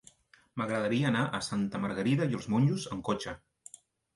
M'agradaria anar a Santa Margarida i els Monjos amb cotxe.